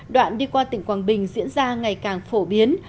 đoạn đi qua tỉnh quảng bình diễn ra ngày càng phổ biến